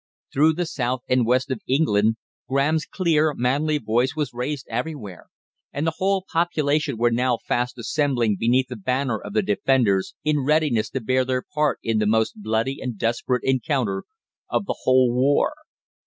Through the south and west of England Graham's clear, manly voice was raised everywhere, and the whole population were now fast assembling beneath the banner of the Defenders, in readiness to bear their part in the most bloody and desperate encounter of the whole war.